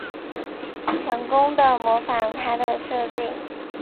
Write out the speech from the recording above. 成功的模仿他的设计